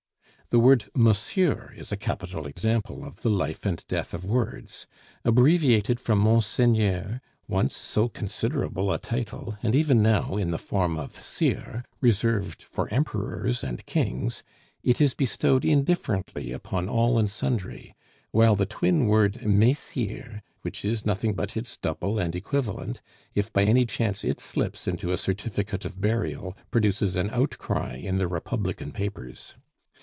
The word monsieur is a capital example of the life and death of words. Abbreviated from monseigneur, once so considerable a title, and even now, in the form of sire, reserved for emperors and kings, it is bestowed indifferently upon all and sundry; while the twin word messire, which is nothing but its double and equivalent, if by any chance it slips into a certificate of burial, produces an outcry in the Republican papers.